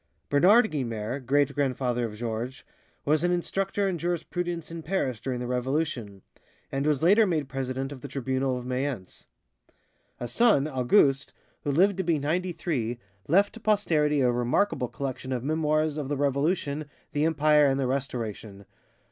Bernard Guynemer, great grandfather of Georges, was an instructor in jurisprudence in Paris during the Revolution, and was later made president of the Tribunal of Mayence. A son, Auguste, who lived to be ninety three, left to posterity a remarkable collection of memoirs of the Revolution, the Empire, and the Restoration.